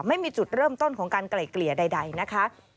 ไม่มีจุดเริ่มต้นของการไกล่เกลี่ยใดนะคะ